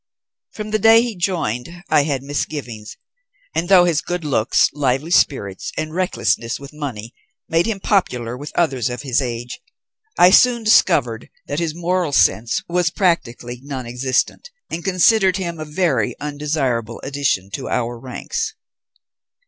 "From the day he joined I had misgivings, and, though his good looks, lively spirits, and recklessness with money made him popular with others of his age, I soon discovered that his moral sense was practically nonexistent, and considered him a very undesirable addition to our ranks.